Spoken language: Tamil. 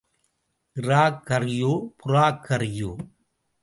இறாக் கறியோ, புறாக் கறியோ?